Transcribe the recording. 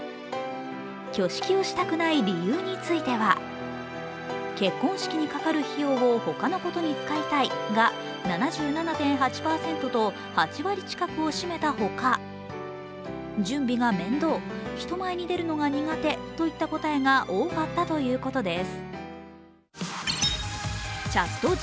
挙式をしたくない理由については結婚式にかかる費用をほかのことに使いたいが７７．８％と８割近くを占めたほか準備が面倒、人前に出るのが苦手といった答えが多かったということです。